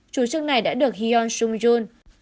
chủ trương này đã được hyun sung joon